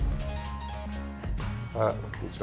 あっこんにちは。